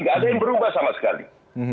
gak ada yang berubah sama sekali